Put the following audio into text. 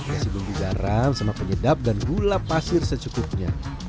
isi bumbu garam sama penyedap dan gula pasir secukupnya